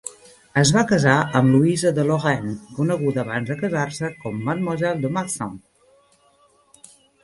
Es va casar amb Louise de Lorraine, coneguda abans de casar-se com "Mademoiselle de Marsan".